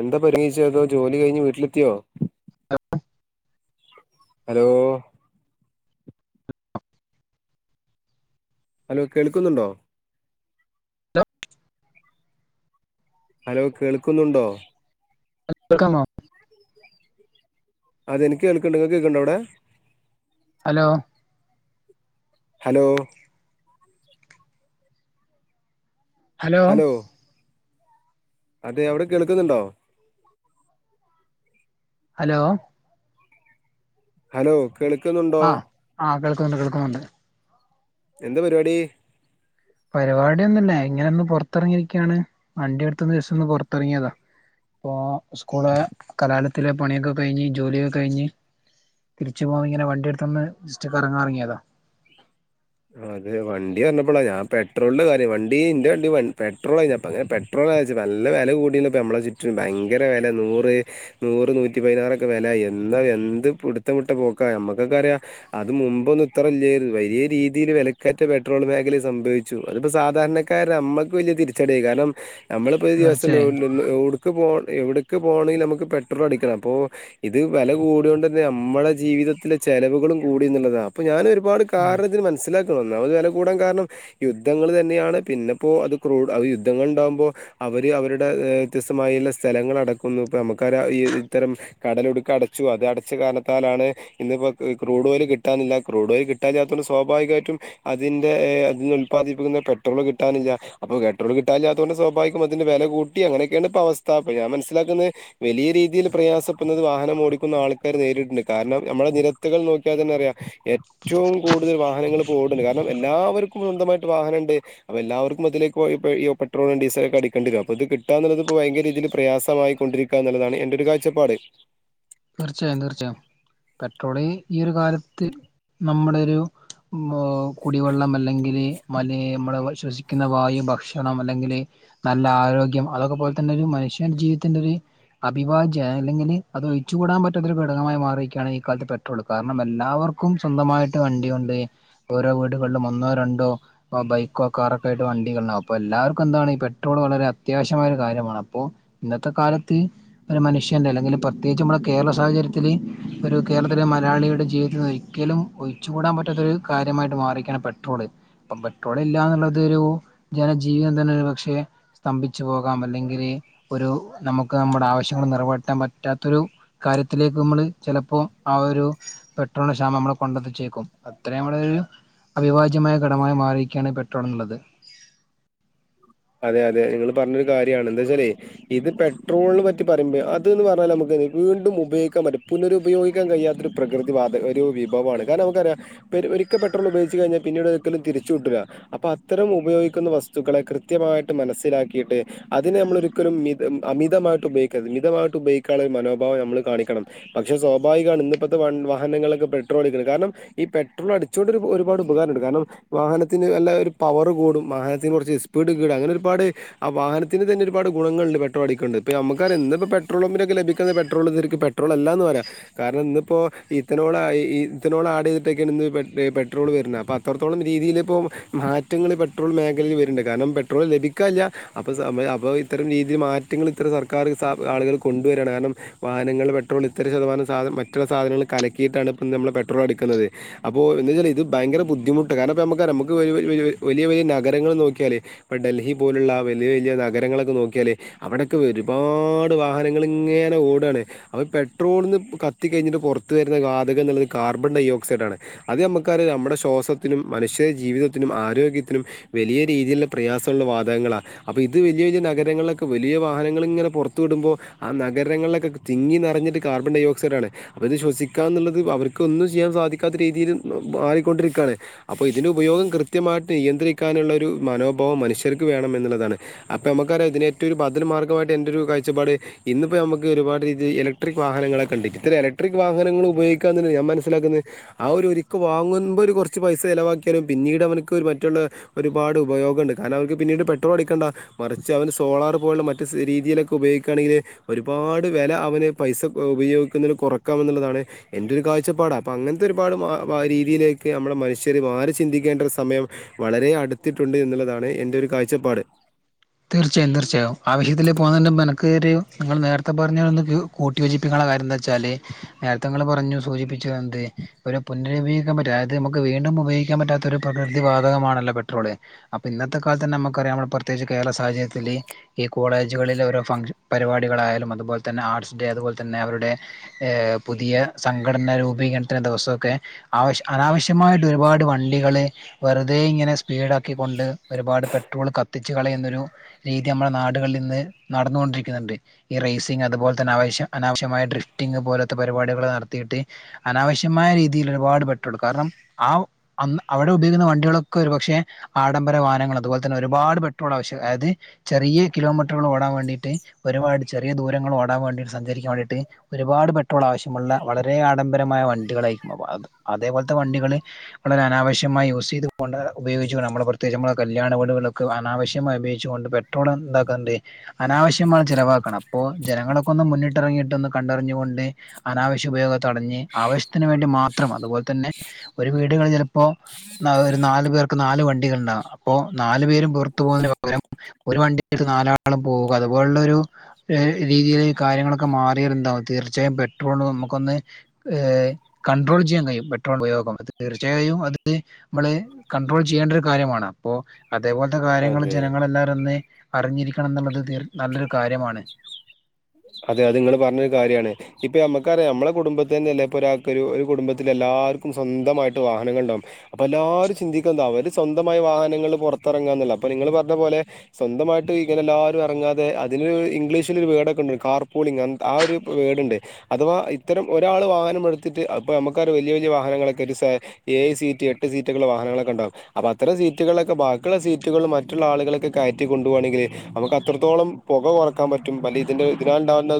എന്താ പരിഗണിച്ചഏതോ ജോലി കഴിഞ്ഞ് വീട്ടിലെത്തിയോ ഹലോ ഹലോ കേൾക്കുന്നുണ്ടോ ഹലോ ഹലോ കേൾക്കുന്നുണ്ടോ വക്കമ അതെനിക്ക് കേൾക്കണ്ടെ കേൾക്കണ്ട അവിടെ ഹലോ ഹലോ ഹലോ അതെ അവടെ കേക്കുന്നുണ്ടോ ഹലോ ഹലോ കേൾക്കുന്നുണ്ടോ ആ ആകേൾക്കുന്നുണ്ട് കേൾക്കുന്നുണ്ട് എന്താപരിപാടി പരിപാടിയൊന്നുംല്ല ഇങ്ങനെ ഒന്ന് പുറത്തിറങ്ങിയിരിക്കയാണ് വണ്ടി അടുത്തൊന്ന് വിസ ഒന്ന് പുറത്തിറങ്ങിയതാ ഇപ്പോസ്കൂള് കലാലയത്തില പണിയൊക്കെ കഴിഞ്ഞ് ജോലിയക്കെ കഴിഞ്ഞ് തിരിച്ചു പോക ഇങ്ങനെ വണ്ടി എടുത്ത്ൊന്ന് ജിസ്റ്റക്ക് കറങ്ങാൻറങ്ങിയതാ അതെ വണ്ടി പറഞ്ഞപ്പോള ഞാ പെട്രോളിന്റെ കാര്യം വണ്ടി ഇന്റെ വണ്ടി പെട്രോൾ കഴിഞ്ഞപ്പ അനെ പെട്രോ നല്ല വില കൂടമ്മളെ ചുറ്റും ഭയങ്കര വില നൂറ് നൂറ് നൂറ്റി പതിനാറൊക്കെ വില ആയി എന്നാ എന്ത് പിടുത്തം മുട്ട പോക്കാ നമ്മക്കൊക്കെ അറിയാം അത് മുമ്പ് ഒന്നും ഇത്രല്ലേ വലിയ രീതി രീതിൽ വിലക്കാറ്റ പെട്രോൾ മേഖലയി സംഭവിച്ചു അതിപ്പോ സാധാരണക്കാര നമ്മക്ക് വലിയ തിരിച്ചടിയ കാരണം നമ്മളിപ്പോൾ ഈ ദിവസംന്ന് തീർച്ചയായും ലോ ലോ എടുക്ക് പോക എവിടക്ക് പോകണെങ്കിൽ നമുക്ക് പെട്രോൾ അടിക്കണം അപ്പോ ഇത് വില കൂട കൊണ്ട് തന്നെ നമ്മുടെ ജീവിതത്തിെ ചെലവുകളും കൂട എന്നുള്ളത അപ്പോ ഞാൻ ഒരുപാട് ഉം കാരണത്തിന് ഒന്നാമത് വില കൂടാ കാരണം യുദ്ധങ്ങൾ തന്നെയാണ് പിന്നെപ്പോ അത് ക്രൂ അ യുദ്ധങ്ങൾ ഇണ്ടാകുമ്പോ അവര് അവരുടെ വ്യത്യസ്തമായുള്ള സ്ഥലങ്ങൾ അടക്കുന്നു ഇപ്പ നമുക്ക ഇ ഇത്തരം കടലൊടുക്ക അട ച്ചു അത് അടച്ച കാരാലാണ് ഇപ്പോ ക്രൂഡ യിൽ കിട്ടാുന്നില്ല ക്ൂഡ് ഓയിൽ കിട്ടാല്ലാത്ത സൊ സ്വാഭാവികമായിട്ടും അതിന്റെ അതിന്ന് ഉല്പാദിപ്പിക്കുന്ന പെട്രോൾ കിട്ടാനില്ല അപ്പൊ പെട്രോൾ കിട്ടാനില്ല അതുക അതിന്റെ വില കൂട്ടി അങ്ങനൊക്കെയാണ് ഇ അവസ്ഥ ഞാൻ മനസിലുന്നത് വലിയ രീതിൽ പ്രയാസപ്പെടുന്നത് വഹന ഓടിക്കുന്ന ആൾക്കാർ നേരിട്ടുണ്ട് കാരണം നമ്മുടെ നിരത്തുകൾ നോക്കിയാൽന്നെ അറിയ ഏറ്റവും കൂടുതൽ വാഹനം വാഹനങ്ങൾ ഇപ്പം ഓടുന്നുണ്ട് കാരണം എല്ലാവർക്കും സ്വന്തമായിട്ട് വാഹന ഉണ്ട് അ എല്ലാവർക്കും മതിലേക്ക് പെട്രോ െ അടിക്കേി അപ്പ അത് കിട്ടുക എന്നുള്ളത് ഇപ്പോ ഭയങ്കരീതിയിൽ പ്രയാസമായി കൊണ്ടിരിക്ക എന്നുള്ളതാണ് എൻന്റെ ഒരു കാഴ്ചപ്പാട് തീർച്ചയായും തീർച്ചയായും പെട്രോള് ഈ ഒരു കാലത്ത് നമ്മുടെ ഒരു മ് കുടിവെള്ളം അല്ലെങ്കിൽ മ നമ്മള് ശ്വസിക്കുന്ന വായു ഭക്ഷണം അല്ലെങ്കിൽ നല്ല ആരോഗ്യം അതൊക്കെ പോലെ തന്നെ ഒരു മര് മനുഷ്യ ജീവിതത്തിന്റെ ഒരു അഭിഭാജ്യം അല്ലെങ്കിൽ അത് ചൂടാൻ പറ്റാത്തൊരു ഘടകമായി മാറിയിരിക്കുകയാണ് ഈ കാലത്ത് പെട്രോൾ കാരണം എല്ലാവർക്കും സ്വന്തമായിട്ട് വണ്ടിണ്ട് ഓരോ വീടുകളിലും ഒന്നോ രണ്ടോ ബൈക്കോ കാറൊക്കെ ആയിട്ട് വണ്ടികളും അപ്പോ എല്ലാർക്കും എന്താണ് പെട്ട ട്രോൾ വളരെ അത്യാവശ്യമായ ഒരു കാര്യമാണ് അപ്പോ ഇന്നത്തെ കാലത്ത് ഒരു മനുഷ്യന്റെ അല്ലെങ്കിൽ പ്രത്യേകിച്ച് നമ്മുടെ കേരള സാഹചര്യത്തില്ൽ ഒരു കേരളത്തിലെ മലയാളിയുടെ ജീവിതത്തിൽന്ന് ഒരിക്കലും ഒഴിച്ചുകൂടാൻ പറ്റാത്ത കാര്യമായിട്ട് മാറാണ് പെട്രോള് അപ്പം പെട്രോൾ ഇല്ല എന്നുള്ളത് ഒരു ജനജീവിതം തന്നെ പക്ഷെ സ്തംഭിച്ചു പോകാം അല്ലെങ്കിൽ ഒരു നമുക്ക് നമ്മടെ ആവശ്യങ്ങൾ നിറവറ്റാൻ പറ്റാത്ത ൊരു കാര്യത്തിലേക്ക് നമ്മള് ചിലപ്പോൾ ആ ഒരു പെട്രോളിന്റെ ക്ഷാമം നമ്മൾ കൊണ്ടെത്തിച്ചേക്കും ഇത്രയും ഒരു അവിഭാജ്യമായ ഘടമായി മാറിയിരിക്കയാണ് പെട്രോൾ എന്നുള്ളത് [inaudible] അതെ അതെ നിങ്ങൾ പറഞ്ഞൊരു കാര്യണ് എന്താ വെച്ചാലേ ഇത് പെട്രോളിനന് പറ്റി പറയ്പോ അത് എന്ന് പറഞ്ഞാൽ നമുക്ക് വീണ്ടും ഉപയോഗിക്കാൻ മറ്റേ പുനരുപയോഗിക്കാൻ കഴിയാത്തൊ ഒരു പ്രകൃതി വാത ഒരു വിഭവമാണ് കാരണം നമുക്കറിയാം ഒരിക്കൽ പെട്രോൾ ഉപയോഗച്ച് കഴിഞ്ഞാ പിന്നീട് ഒരിക്കലും തിരിച്ചിട്ടുല അത്തരം ഉപയോഗിക്കുന്ന വസ് വസ്തുക്കളെ കൃത്യമായിട്ട് മനസ്സിലാക്കിയിട്ട് അതിനെ നമ്മള ഒരിക്കലും മിത അമിതമായിട്ട് ഉപയോഗിക്കരു മിതമായിട്ട് ഉപോഗിക്കുള്ള ഒരു മനോഭാവം നമ്മൾ കാണിക്കണം പക്ഷെ സ്വാഭാവികമാണ് ഇന്ന ഇത്തെ വാഹനങ്ങളൊക്കെട്രോളുന്നത് കാരണം ഈ പെട്രോൾ അടിച്ചുകോണ്ട് ഒരു ഒരുപാട് ഉപകാരമുണ്ട് കാരണം വാഹനത്തിന് വല്ല ഒരു പവറ് കൂടും വാഹന സ്പീഡ് കീടാ അങ്ങനെ ഒരുപാട് വാഹനത്തിന് തന്നെ ഒരുപാ ഗുണങ്ങണ്ട് പെട്രോടിക്കണ്ട് നുക്കെ പെട്രോൾ ക ലഭിക്കുന്നത് പെട്രോൾക്ക് പെട്രോൾ അല്ല എന്ന് പറയാം കാരണം ഇന്നിപ്പോ ഇതന്നോളായി ഈ തനോ [unintelligible] പെട്രോൾ വരുന്നത് അ അത്രോളം രീതി ഇ മാറ്റങ്ങ പെട്രോൾ വര്ണ്ട് കാരണം പെട്രോൾ ലഭിക്കല്ല അപ്പൊ അ ഇത്തരം രീതിൽ മാറ്റങ്ങൾ ഇ സർക്കാർ സ ആളുകൾ കൊണ്ടുവരയാണ് കാരണം വാനങ്ങ പെട്രോൾ ഇത്ര ശതമാനംധന മറ്റുള്ള സാധനൾ കലികിട്ടാണ് നമ്മുടെ പെട്രോ എടുകുന്നത് അപ്പോ എ വെച്ചാൽ ഇത് ഭയങ്കര ബുദ്ധിമുട്ട് കാരണം [unintelligible] നഗരങ്ങൾ നോക്കിയാൽ ഇപ്പ ഡൽഹി പോലുള്ള വലിയ വലിയ നഗരങ്ങളൊക്കെ നോക്കിയാല് അവിടൊക്കെ ഒരുപാട് വാഹങ്ങൾ ഇങ്ങനെ ഓടാണ് അ പെട്രോൾന്ന് കത്തി കഴിഞ്ഞിട്ട് പുറത്ത വരുന്ന വാതകം എന്നുള്ളത്കാ കാർബൺ ഡൈ ഓക്സൈഡ് ആണ് അത് നമുക്കാര് നമ്മുടെ ശ്വാസത്തിനും മനുഷ്യ ജീവിതത്തിനും ആരോഗ്യത്തിനും വലിയ രീതിയിലുള്ള പ്രയാസമുള്ള വാതങ്ങളാണ് അപ്പൊ ഇത് വലിയ വലിയ നഗരങ്ങളിലൊക്കെ വലിയ വാഹനങ്ങൾ ഇങ്ങനെ പുറത്തു ആ നഗരങ്ങളിലൊക്കെ തിങ്ങി നിറഞ്ഞിട്ട് കാർബൺ ഡയ ഓക്സൈഡ ആണ് അവത് ശ്വസിക്കാ എന്നുള്ളത് അവർക്ക ഒന്നും ചെയ്യാൻ സാധിക്കാത്ത രീതിയിൽ മാറിക്കൊണ്ടിരിക്കയാണ് അപ്പൊ ഇതിന്റെ ഉപയോഗം കൃത്യമായിട്ട് നിയന്ത്രി ാനുള്ള ഒരു മനോഭാവം മനുഷ്യർക്ക് വേണം എന്നുള്ളാണ് അപ്പ നമക്കറിയ ഇതിന് ഏറ്റു പതൽ മാർഗമായിട്ട് എന്റെ രു കായ് ചപ്പാട് ഇന്ന ഇപ്പോ നമക്ക് ഒരുപാട് രീതി ഇലക്ട്രിക് വാഹങ്ങളക്കെ ഉണ്ട് ഇ ഇലക്ട്രിക് വാഹനൾ ഉപയോഗിക്കാ ഞാൻ മനസ്സിലാക്കുന്നെആ ഒരു ഒരിക്ക് വാങ്ങുമ്പോ ഒരു കുറച്ച് പൈസ ചിലവാക്കിയാലും പിന്നീട് അവനക്ക് മറ്റുള്ള ഒരുപാട് ഉപയോഗംഉണ്ട് കാരണം അവർക്ക് പിന്നീട് പെട്രോൾ അടിക്കണ്ട മറിച്ച് അവന് സോളാറ്പോലുള്ള മറ്റ് രീതിയിലൊക്കെ ഉപയോഗ ണെങ്കിൽ ഒരുപാട് വില അവന്പൈസ ഉപയോഗിക്കുന്ന കുറക്കാമെന്നുള്ളതാണ് എന്റെ ഒരു കാഴ്ച പ്പാട് അ അങ്ങനത്തെ ഒരുപാട് രീതിയിലേക്ക് നമ്മുടെ മനുഷ്യര് മാറി ചിന്തിക്കേണ്ട ഒരു സമയം വളരെ അടുത്തിട്ടുണ്ട് എന്നുള്ളതാണ് എന്റെ ഒരു കാഴ്ചപ്പാട് തീർച്ചയായും തീർച്ചയായും അവ ഹിത്തി പോകുന്ന മെനക്ക് [unintelligible] നിങ്ങൾ നേരത്തെ പറഞ്ഞരന്ന് കൂട്ടി യോചിപ്പിക്കാനുള്ള കാര്യം എന്താ വെച്ചാല്നേരത്തെ നിങ്ങൾ പറഞ്ഞു സൂചിപ്പിച്ചു എന്ത് ഒരു പുന്നരുപയോഗിക്കാൻ പറ്റും അതായത് നമുക്ക് വീണ്ടും ഉപയോഗിക്കാൻ പറ്റാത്ത ഒരു പ്രകൃതി വാതകമാണല്ലോ പെട്രോള് അപ്പ ഇന്നത്തെ കാലത്ത്ന്ന നമുക്കറിയാംനമ്മ പ്രത്യേകിച്ച് കേരള സാഹചര്യത്തിൽ ഈ കോളേജുകളിൽ ഓരോ ഫൺ ഷ- പരിപാടികളായാലും അതുപോലെ തന്നെ ആർട്സ് ഡേ അതുപോലെ തന്നെ അവരുടെ പുതിയ സംഘടന രൂപീകരണത്തിന്റെ ദിവസ ഒക്കെ ആവശ്യ അനാവശ്യ കൃത്യമായിട്ട് ഒരുപാട് വണ്ടികള് വെറുതെ ഇങ്ങനെ സ്പീഡ് ആക്കിക്കൊണ്ട് ഒരുപാട് പെട്രോള് കത്തി ച്ച്കള യുന്നൊരു രീതി നമ്മളുടെ നാടുകളിൽ നിന്ന് നടന്നുകൊണ്ടിരിക്കുന്നുണ്ട് ഈ റേസിംഗ്അതുപോലെ തന്നെ ആവശ്യം അനാവശ്യമായ ഡ്രിഫ്റ്റിംഗ് പോലത്തെ പരിപാടികളൾ നടത്തിയിട്ട് അനാവശ്യമായ രീതിയിൽ ഒരുപാട് പെട്രോള് കാരണം ആ അവിടെ ഉപയോഗിക്കുന്ന വണ്ടികളൊക്കെ ഒരു പക്ഷെ ആഡംബര വഹനങ്ങൾ അതുപോലെ തന്നെ ഒരുപാട് പെ ട്രോള് ആവശ്യ അത് ചെറിയ കിലോമീറ്ററുകൾ ഓടൻ വേണ്ടിട്ട് ഒരുപാട് ചെറിയ ദൂരങ്ങൾ ഓ ടാൻ വേണ്ടിസഞ്ചരിക്ക വേണ്ടിട്ട് ഒരുപാട് പെട്രോൾ ആവശ്യമുള്ള വളരെ ആഡംബരമായ വണ്ടികളായിരിക്കും അവ അത് അതേപോലത്തെ വണ്ടികള് വളരെ അനാവശ്യമായി യൂസ് ചെയ്തൊണ്ട് ഉപയോഗിച്ചുകണം നമ്മൾ പ്രത്യേകിച്ച് നമ്മുടെ കല്യാണ വീടുകള് അനാവശ്യമായി ഉപയോഗിച്ചൊണ്ട് പെട്രോൾ എന്താക്ക ണ്ട്അനാവശ്യമായി ചെലവാക്കണം അപ്പോ ജനങ്ങളൊക്കൊന്ന് മുന്നിട്ടിറങ്ങിയിട്ട് കണ്ടറിഞ്ഞു കൊണ്ട് അനാവശ്യ ഉപയോഗം തടഞ്ഞ് ആവശ്യത്തിന് വേണ്ടി മാത്രം അതുപോലെ തന്നെ ഒരു വീടുകളിൽ ചിലപ്പോ ഒരു നാല് പേർക്ക് നാല് വണ്ടികളുണ്ടാവും അപ്പൊ നാലു പേരും പുറത്തു പോകുന്നതിന് പകരം ഒരു വണ്ടിട്ട് നാലാളും പോവുക അതുപോലുള്ള ഒരു രീതിയിയില് കാര്യങ്ങളൊക്കെ മാറി വര് വും തീർച്ചയായും പെട്രോൾ നമുക്കൊന്ന്കണ്ടട്രോൾ ചെയ്യാൻ കഴിയും പെട്രോൾ ഉപയോഗം തീയും എഐയൂം അത് മ്മള് കൺണ്ട്രോൾ ചെയ്യേണ്ട ഒരു കാര്യമാണ് അപ്പോ അതേപോലെ കാര്യങ്ങൾ അതെ ജനങ്ങളെല്ലാവരന് അറിഞ്ഞിരിക്കണം എന്നുള്ളത് നല്ലൊരു കാര്യമാണ് അതെ അത് നിങ്ങള്ൾ പറഞ്ഞൊരു കാര്യമാണ് ഇപ്പൊ നമ്മുക്കറിയാം നമ്മളെ കുടുംബത്തി തന്നെ അല്ല ഇൊ ഒ ഒരു കുടുംബത്തില എല്ലാ എല്ലർക്കും സ്വന്തമായിട്ട് വാഹനങ്ങൾ ഉണ്ടാവും അപ്പ എല്ലാവരും ചിന്തിക്കുന്ന അവര് സ്വന്തമായ വാഹനങ്ങൾ പുറത്തിറങ്ങാൻ അപ്പൊ നിങ്ങള് പറഞ്ഞ പോലെ സ്വന്തമായിട്ട് ഇങ്ങനെ എല്ലാവരും ഇറങ്ങാതെ അതിന് ഇംഗ്ലീഷിലൊ ഒരു വേടൊക്കെ ഉ കാർ പോളിംഗ് ആ ഒരു വേടുണ്ട് അഥവാ ഇത്തരം ഒരാൾ വാഹനം എടുത്തിട്ട് അപ്പോൾ നമുക്കരു വലിയ വാഹനങ്ങളൊക്കെ സീറ്റ് എട്ട് സീറ്റ വാഹനങ്ങളൊക്കെ ഉണ്ടാകും അപ്പ അത്ര സീറ്റുകളൊക്കെ ബാക്കിയുള്ള സീറ്റ് റ്റുകളും മറ്റുള്ള ആളുകളൊക്കെ കയറ്റികൊണ്ട് പോകവാണെങ്കിൽ നമുക്ക് അത്രത്തോളം പുക കുറക്കാൻ പറ്റും പല ഇതിൻ്റെ ഇതിനാണ്ടാവുന്ന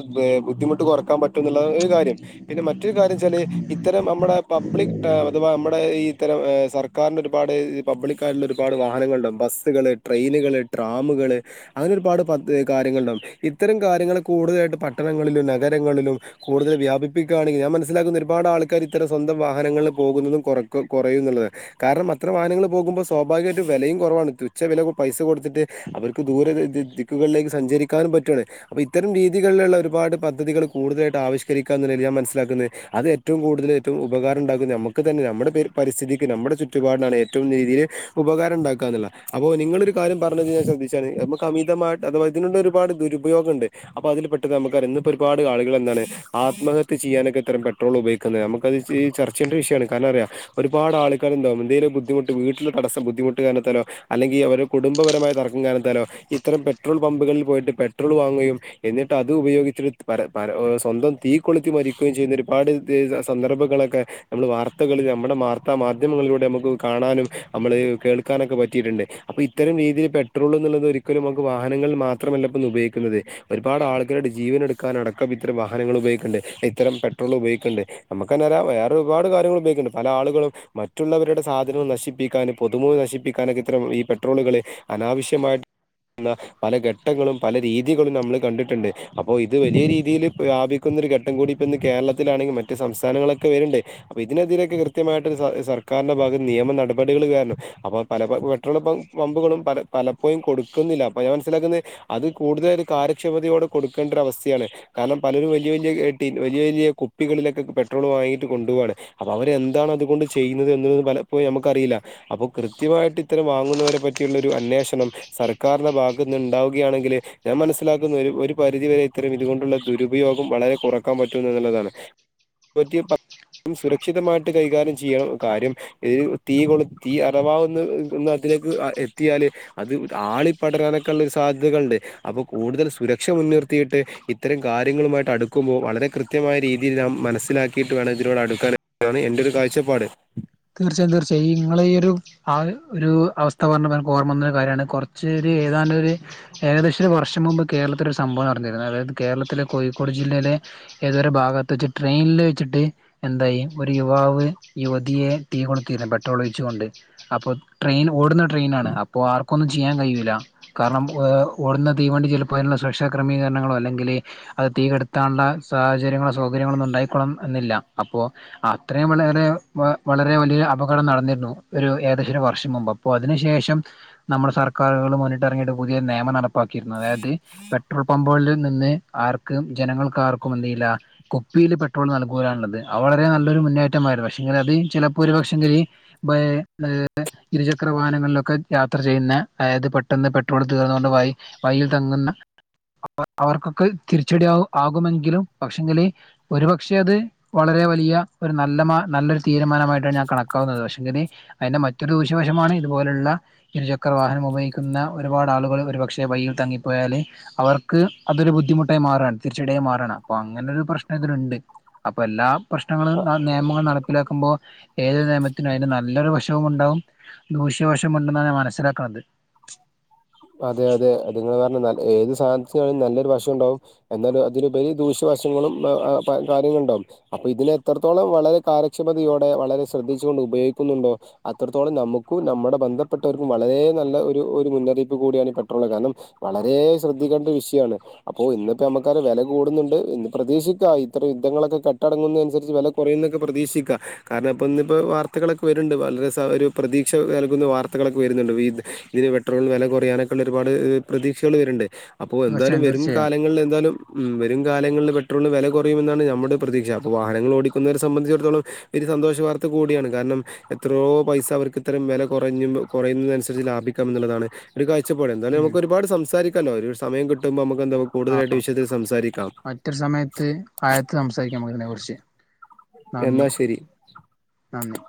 ബുദ്ധിമുട്ട് കുറക്കാൻ പറ്റും എന്നുള്ള ഒരു കാര്യം പിന്നെ മറ്റൊരു കാര്യം വെച്ചാല് ഇത്തരം നമ്മുടെ പബ്ലിക്ക് അ നമ്മുടെ ഇത്തരം സർക്കാരിന് ഒരുപാട് പബ്ലിക്കായിട്ടുള്ള ഒരുപാട് വാഹനങ്ങളുണ്ടാവും ബസ്സുകള് ട്രെയിനുകള് ട്രാമുകള് അങ്ങനെ ഒരുപാട് പദ് കാര്യങ്ങളുണ്ടാകും ഇത്തരം കാര്യങ്ങൾ കൂടുതലായിട്ട് പട്ടണങ്ങളിലും നഗരങ്ങളിലും കൂടുതൽ വ്യാപിക്കണെങ്കിൽ ഞാൻ മനസ്സിലാക്കുന്ന ഒരുപാട് ആൾക്കാരിത്തരം സ്വ വാഹനങ്ങളിൽ പോകുന്നതും കൊറക്കും കൊറയുന്നുള്ളത് കാരണം അത്ര വാഹനങ്ങൾ പോകുമ്പോ സ്വാഭാവികമായിട്ടും വെലയും കുറവാണ്. തുച്ചവില പൈസ കൊടുത്തിട്ട് അവർക്ക് ദൂര ദിക്കുകളിലേക്ക് സഞ്ചരിക്കാനും പറ്റുവാണ്. ഇത്തരം രീതികളില്ള്ള ഒരുപാട് പദ്ധതികൾ കൂടുതലായിട്ട് ആവിശ്കരിക്കാന്നു ഞാൻ മനസ്സിലാക്കുന്ന അത് ഏറ്റവും കൂടുതൽ ഏറ്റവും ഉപകാരം ഉണ്ടാക്ക നമുക്ക് തന്നെ നമ്മുടെ പരിസ്ഥിതിക്ക് നമ്മുടെ ചുറ്റുപാടിനാണ് ഏറ്റവും രീതിയിൽ ഉപകാരം ഉണ്ടാക്ക അപ്പോ നിങ്ങളൊരു കാര്യം പറഞ്ഞത് ഞാൻ ശ്രദ്ധിച്ചാണ് നമുക്ക് അമിതമായിട്ട് അഥ ഇതിനുള്ള ഒരുപാട് ദുരുപയോഗംണ്ട്. അപ്പൊ അതില് പെട്ട ന്ന് പ്പൊ ഒരുപാട്ആളുകൾ എന്താണ് ആത്മഹത്യ ചെയ്യാനൊക്കെ ഇത്തരം പെട്രോൾ ഉപയോഗിക്കുന്ന നമുക്ക ഈ ചർച്ചേണ്ട വിഷയമാണ് കാരണം അറിയാ ഒരുപാട് ആൾക്കാര് എന്തവും എന്തേലും ബുധിമുട്ട് വീട്ടിൽ തടസ ബുദ്ധിമുട്ട് കാര അല്ലെങ്കിൽ അവരുടെ കുടുംബപരമായ തർക്കം കാരണത്താലോ ഇത്തരം പെട്രോൾ പമ്പുകളിൽ പോയിട്ട് പെട്രോൾ വാങ്ങുകയും എന്നിട്ട് അത് ഉപയോഗിച്ചി പര സ്വന്തം തീ കൊളുത്തി മരിക്കുകയും ചെയ്യുന്ന ഒരുപാട് സന്ദർഭം നമ്മൾ വാർത്തകളിൽ നമ്മുടെ വാർത്താ മാധ്യമങ്ങളിലൂടെ നമുക്ക് കാണാനും നമ്മള് കേൾക്കാനക്കെ പറ്റിട്ട്ണ്ട് അപ്പൊ ഇത്തരം രീതിയിൽ പെട്രോൾ എന്നുള്ളത് ഒരിക്കലും നമുക്ക് വാഹനങ്ങൾ മാത്രമല്ലന്ന് ഉപയോഗിക്കുന്നത്. ഒരുപാട് ആൾക്കാരുടെ ജീവന എടുക്കാനടക്കം ഇത്തരം വാഹനങ്ങൾ ഉപയോഗിക്ണ്ട് ഇത്തര പട്രോൾ ഉപയോഗിക്ണ്ട് നമുക്കന്നർയാ വേറെ ഒരുപാട് കാര്യങ്ങൾ ഉപയോഗിക്കുന്നുണ്ട് പല ആളുകളും മറ്റുള്ളവരുടെ സാധനങ്ങൾ നശിപ്പിക്കാൻ പൊതുമുതൽ നശിപ്പിക്കാനൊക്കെ ത്രം ഈ പെട്രോളുകള് അനാവശ്യമായിട്ട് ന്ന പല ഘട്ടങ്ങളും പല രീതികളും നമ്മൾ കണ്ടിട്ട്ണ്ട് അപ്പോ ഇത് വലിയ രീതിയിൽ വ്യാപിക്കുന്ന ഒരു ഘട്ടം കൂടി ഇപ്പോ ഇന്ന് കേരളത്തിലാണെങ്കിൽ മറ്റു സംസ്ഥാനങ്ങളി വര്ണ്ട് അപ്പൊ ഇതിനെതിരൊക്കെ കൃത്യമായിട്ട് സർക്കാരിന്റെ ഭാഗത്ത് നിയമ നടപടികൾ കാരണം അപ്പോൾ പല പെട്രോൾ പമ്പുകളും പല പലപ്പോഴും കൊടുക്കുന്നില്ല അപ്പ ഞാൻ മനസ്സിലാക്കുന്നത് അത് കൂടുതല കാര്യ ക്ഷമതയോടെ കൊടുക്കേണ്ട ഒരു അവസ്ഥയാണ് കാരണം പലരും വലിയ വലിയ ടിൻ വലിയ വലിയ കുപ്പികളിലൊക്കെ പെട്രോൾ ങ്ങിട്ട് കൊണ്ടപോകാണ് അപൊ അവരെന്താണ് അതുകൊണ്ട് ചെയ്യുന്നത് എന്ന പലപ്പോഴും നമക്കറിയില്ല അപ്പൊ കൃത്യമായി ഇത്തരം വാങ്ങുന്നവരെ പറ്റിയുള്ള ഒരു അന്വേഷണം സർക്കാരിന്റെ ഭാഗത്ത്നിന്ന് ഉണ്ടാവുകയാണെങ്കിൽ ഞാൻ മനസ് സ്സിലാക്കുന്ന ഒരു ഒരു പരിധിവരെ ഇത്തരം ഇതുകൊണ്ടുള്ള ദുരുപയോഗം വളരെ കൊറക്കാൻ പറ്റും എന്നുള്ളതാണ്. [unintelligible] സുരക്ഷിതമായിട്ട് കൈകാര്യം ചെയ്യണം കാര്യം ഇ തീ കൊള തീ അതവാ ന്ന ലേക്ക് എത്തിയാല് അത് ആളി പടരാനൊക്കെ ഉള്ള സാധ്യതകൾണ്ട് അപ്പൊ കൂടുതൽ സുരക്ഷ മുൻനിർത്തിയിട്ട് ഇത്തരം കാര്യങ്ങളുമായിട്ട് അടുക്കുമ്പോൾ വളരെ കൃത്യമായ രീതിയിൽ നാം മനസ് സ്സിലാക്കിട്ട് വേണം ഇതിനോട് അടുക്കാനാണ് എന്റെരു കാഴ്ചപ്പാട്. തീർച്ചയായും തീർച്ചയായും ഈ ഇങ്ങള ഈ ഒരു ആ ഒരു അവസ്ഥ പർഞ്ഞപ്പൊ ഓർമ്മന്നൊരു കാര്യാണ് കൊർച്ച് ഏതാണ്ട് ഒരു ഏകദേശര വർഷം മുമ്പ് കേരത്തില ഒരു സംഭവം നട്ന്നിരുന്നു അതായത് കേരളത്തിലെ കോഴിക്കോട് ജില്ലയിലെ ഏതൊരു ഭാഗത്ത് വച്ച ട്രെയിനില് വെച്ചിട്ട് എന്തായി ഒരു യുവാവ് യുവതിയെ തീ കൊളുത്തീണ് പെട്രോൾ ഒഴിച്ചുകൊണ്ട് അപ്പോൾ ട്രെയിൻ ഓടുന്ന ട്രെയിനാണ് അപ്പോൾ ആർക്കൊന്നും ചെയ്യാൻ കഴിയുല്ല. കാരണം ഓടുന്ന തീവണ്ടി ചിലപ്പോ അതിനുള്ള സുരക്ഷാ ക്രമീകരണങ്ങളോ അല്ലെങ്കിൽ അത് തീ കേടുത്താനുള്ള സാഹചര്യങ്ങള സൗകര്യങ്ങള ഒന്നും ഉണ്ടായിക്കോള്ളണംന്നില്ല അപ്പോ അത്രയും വളരെ വളരെ വലിയ അപകടം നടന്നിരുന്നു ഒരു ഏകദേശര വർഷം മുമ്പ് അപ്പോ അതിനു ശേഷം നമ്മുടെ സർക്കാർ ഇറങ്ങട്ട് പുതിയ നിയമ നടപ്പാക്കിയിരുന്നു അതായത് പെട്രോൾ പമ്പുകളിൽ നിന്ന് ആർക്കും ജനങ്ങ ർക്കും എന്തയ്യുല്ല കുപ്പിയിൽ പെട്രോൾ നൽകൂലാന്നുള്ളത് അത്‌ വളരെ നല്ലൊരു മുന്നേറ്റമായിരുന്നു പക്ഷെ ഇങ്ങനെ അത് ചിലപ്പോരിപക്ഷെങ്കിൽ ബാ ഇരുചക്ര വാഹനങ്ങളിലൊക്കെ യാത്ര ചെയ്യുന്ന അതായത് പെട്ടെന്ന് പെട്രോൾ തീർന്നുകൊണ്ട് വൈ വൈയിൽ തങ്ങുന്ന അവർക്കൊക്കെ തിരിച്ചടി ആകുമെങ്കിലും പക്ഷെങ്കിലേ ഒരുപക്ഷെ അത് വളരെ വലിയ ഒരു നല്ല നല്ലൊരു തീരുമാനമായിട്ടാണ് ഞാൻ കണക്കാവുന്നത് പക്ഷെ അതിന്റെ മറ്റൊരു ദൂഷ്യവശമാണ് ഇതുപോലുള്ള ഇരുചക്ര വാഹനം ഉപയോഗിക്കുന്ന ഒരുപാട് ആളുകൾ ഒരുപക്ഷെ വൈയിൽ തങ്ങിപ്പോയാല് അവർക്ക് അതൊരു ബുദ്ധിമുട്ടായി മാറാണ് തീരിച്ചടായി മാറണ അപ്പൊ അങ്ങനൊരു പ്രശ്നം ഇതിലുണ്ട് അപ്പൊ എല്ലാം പ്രശ്നങ്ങൾ നിയമങ്ങൾ നടപ്പിലാക്കുമ്പോ ഏതൊരു നിയമത്തിനും അതിന് നല്ലൊരു വശവും ഉണ്ടാവും ദൂഷ്യവശവും ഉണ്ടെന്നാണ് ഞാൻ മനസ്സിലാക്കുന്നത്. [unintelligible] അതെ അതെ അത് [unintelligible] ഏത് സാധനത്തിനാണേലും നല്ലൊരു വശണ്ടാവും എന്നാലുംഅതിലുപരി ദൂഷ്യവശങ്ങളും കാര്യങ്ങള ഉണ്ടാാവും അപ്പൊ ഇതിന് എത്രത്തോളം വളരെ കാര്യക്ഷമതയോടെ വളരെ ശ്രദ്ധിച്ച്കൊണ്ട് ഉപയോഗിക്കുന്നുണ്ടോ അത്രത്തോളം നമുക്കും നമ്മുടെ ബന്ധപ്പെട്ടവർക്കും വളരെ നല്ല ഒരു മുന്നറിയിപ്പ് കൂടിയാണ് പെട്രോള് കാരണം വളരെ ശ്രദ്ധിക്കേണ്ട ഒരു വിഷയമാണ് അപ്പോ ഇന്നിപ്പോ നമുക്ക വില കൂടുന്നുണ്ട് ഇന്ന് പ്രതീക്ഷിക്കാം ഇത്തരം യുദ്ധങ്ങളൊക്കെ കെട്ടടങ്ങുന്ന അനുസരിച്ച് വില കുറയുന്നൊക്കെ പ്രതീക്ഷിക്കാം കാരണം ഇപ്പ ഇന്നിപ്പോ വാർത്തകളൊക്കെ വരുണ്ട് വളരെ സ ഒരു പ്രതീക്ഷ നൽകുന്ന വാർത്തളൊക്കെ വരുന്നുണ്ട് ഇതിന് പെട്രോളിന് വില കുറ യാനൊക്കെയുള്ള ഒരുപാട് പ്രതീക്ഷകൾ വരുണ്ട് അപ്പോ എന്താലും തീർച്ചയായും വരും തീർച്ചയായും കാലങ്ങളിൽ എന്താലും ഉം വരും കാലങ്ങളിൽ പെട്രോളിന് വില കുറയുമെന്നാണ് നമ്മുടെ പ്രതീക്ഷ അപ്പൊ വാഹനങ്ങള് ഓടിക്കുന്നവരെ സംബന്ധിച്ചിടത്തോളം സന്തോഷവാർത്ത കൂടിയാണ് കാരണം എത്രയോ പൈസ അവർക്ക് ഇത്രരം വില കുറഞ്ഞ കുറയുന്നതിനനുസരിച്ച് ലാഭിക്കാം എന്നുള്ളതാണ്. ഒരു കാഴ്ചപ്പാട് എന്താലും ഉം നമുക്ക് ഒരുപാട് സംസാരിക്കല്ലോ ഒരു സമയ കിട്ടുമ്പോ നമുക്കന്ത ആ കൂടുതലായിട്ട് വിശദമായി സംസാരിക്ക മറ്റൊരു സമയത്ത് ആയത്ത് സംസാരിക്കാം നമുക്ക്തിനെ കുറിച്ച് നന്ദി എന്നാ ശരി നന്ദി